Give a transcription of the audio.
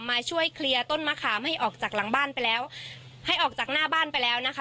มาช่วยเคลียร์ต้นมะขามให้ออกจากหลังบ้านไปแล้วให้ออกจากหน้าบ้านไปแล้วนะคะ